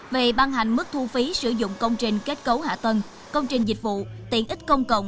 về ban hành mức thu phí sử dụng công trình kết cấu hạ tầng công trình dịch vụ tiện ích công cộng